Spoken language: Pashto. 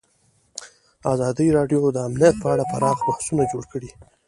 ازادي راډیو د امنیت په اړه پراخ بحثونه جوړ کړي.